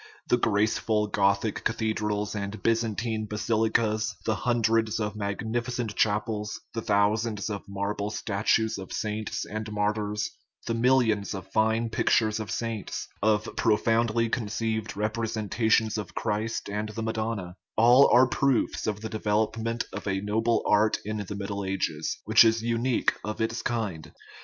The graceful Gothic cathedrals and Byzan tine basilicas, the hundreds of magnificent chapels, the thousands of marble statues of saints and martyrs, 339 THE RIDDLE OF THE UNIVERSE the millions of fine pictures of saints, of profoundly conceived representations of Christ and the madonna all are proofs of the development of a noble art in the Middle Ages, which is unique of its kind.